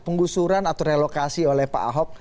penggusuran atau relokasi oleh pak ahok